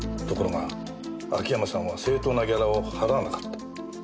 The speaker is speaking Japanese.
ところが秋山さんは正当なギャラを払わなかった。